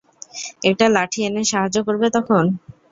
একটা লাঠি এনে সাহায্য করবে তখন?